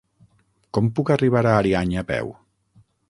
Com puc arribar a Ariany a peu?